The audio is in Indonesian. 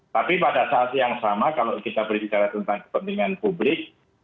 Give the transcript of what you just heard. tapi pada saat yang sama kalau kita berbicara tentang kepentingan publik